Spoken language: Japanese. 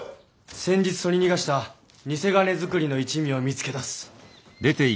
先日取り逃がした贋金造りの一味を見つけ出す。